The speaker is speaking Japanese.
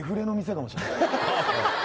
かもしれない